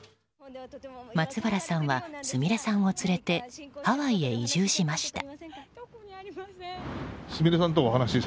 松原さんは、すみれさんを連れてハワイへ移住しました。